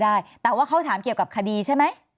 ได้แต่ว่าเขาถามเกี่ยวกับคดีใช่ไหม